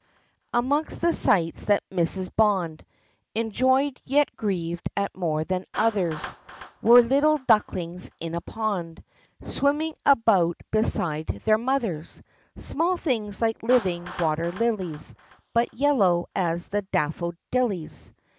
Amongst the sights that Mrs. Bond Enjoyed yet grieved at more than others, Were little ducklings in a pond, Swimming about beside their mothers Small things like living water lilies, But yellow as the daffo dillies.